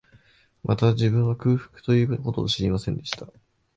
また、自分は、空腹という事を知りませんでした